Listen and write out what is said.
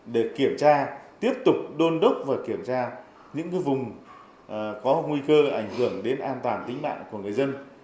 để kiểm tra tiếp tục đôn đốc và kiểm tra những vùng có nguy cơ ảnh hưởng đến an toàn tính mạng của người dân